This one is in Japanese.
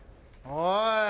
おい！